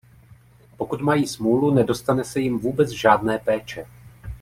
Pokud mají smůlu, nedostane se jim vůbec žádné péče.